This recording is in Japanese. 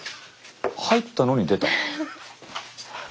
入ったのに出た。